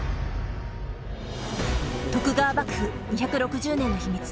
徳川幕府２６０年の秘密。